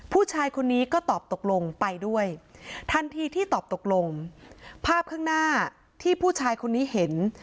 ผู้ชายคนนี้ก็ตอบตกลงไปด้วยทันทีที่ตอบตกลงภาพข้างหน้าที่ผู้ชายคนนี้เห็น